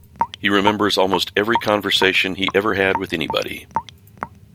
He remembers almost every conversation he ever had with anybody.